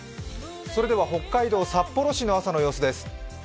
それでは北海道札幌市の朝の様子です。